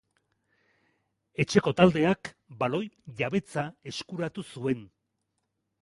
Etxeko taldea baloi jabetza eskuratu zuen.